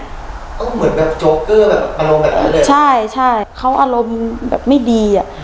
ก็เหมือนแบบโจเกอร์แบบอารมณ์แบบไหนเลยใช่ใช่เขาอารมณ์แบบไม่ดีอ่ะ